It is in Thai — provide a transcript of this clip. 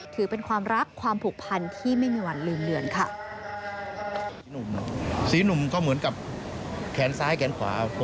ถือเป็นความรักความผูกพันที่ไม่มีวันลืมเลือนค่ะ